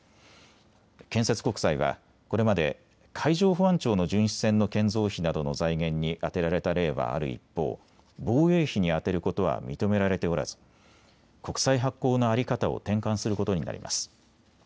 建設国債はこれまで海上保安庁の巡視船の建造費などの財源に充てられた例はある一方、防衛費に充てることは認められておらず、国債発行の在り方を転換することになります。